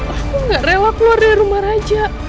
aku gak rela keluar dari rumah raja